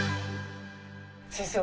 先生